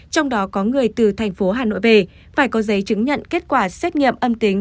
trong đó có người từ thành phố hà nội về phải có giấy chứng nhận kết quả xét nghiệm âm tính